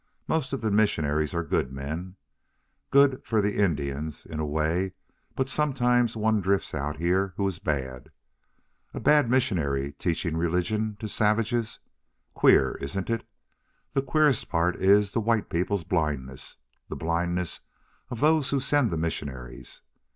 Most of the missionaries are good men good for the Indians, in a way, but sometimes one drifts out here who is bad. A bad missionary teaching religion to savages! Queer, isn't it? The queerest part is the white people's blindness the blindness of those who send the missionaries.